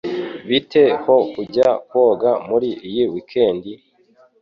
Bite ho kujya koga muri iyi weekend?